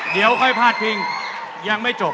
เดี๋ยวค่อยพาดพิงยังไม่จบ